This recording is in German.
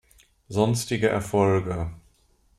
Sonstige Erfolge